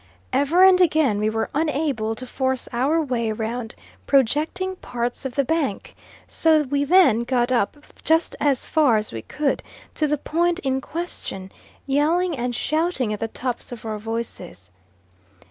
Ever and again we were unable to force our way round projecting parts of the bank, so we then got up just as far as we could to the point in question, yelling and shouting at the tops of our voices.